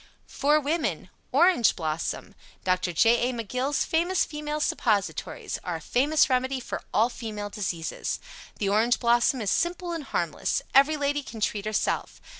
FOR WOMEN ORANGE BLOSSOM Dr. J. A. McGill's Famous Female Suppositories Are a famous remedy for all female diseases. The Orange Blossom is simple and harmless. Every lady can treat herself.